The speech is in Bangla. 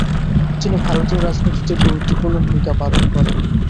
তিনি ভারতীয় রাজনীতিতে গুরুত্বপূর্ণ ভূমিকা পালন করেন।